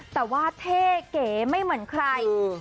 แต่ว่าเท่เก๋ไม่เหมือนใคร